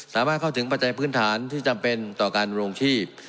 สามารถเข้าถึงปัจจัยพื้นฐานที่จำเป็นต่อการโรงชีพ